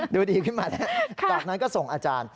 ดูดีขึ้นมาแล้วจากนั้นก็ส่งอาจารย์